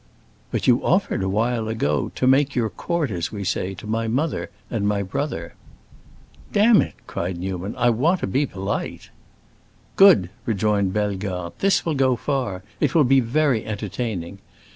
"But you offered, a while ago, to make your court as we say, to my mother and my brother." "Damn it!" cried Newman, "I want to be polite." "Good!" rejoined Bellegarde; "this will go far, it will be very entertaining.